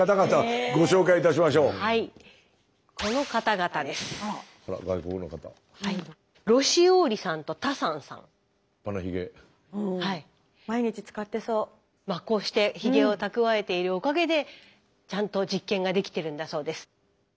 こうしてひげを蓄えているおかげでちゃんと実験ができてるんだそうです。